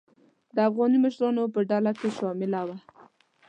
د افغاني مشرانو په ډله کې شامله وه.